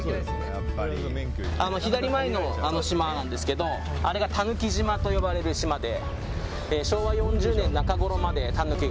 あの左前の島なんですけどあれがたぬき島と呼ばれる島で。